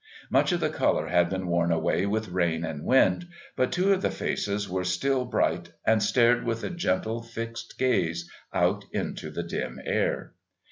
Much of the colour had been worn away with rain and wind, but two of the faces were still bright and stared with a gentle fixed gaze out into the dim air.